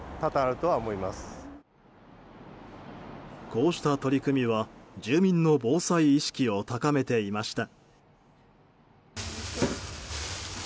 こうした取り組みは、住民の防災意識を高めていました。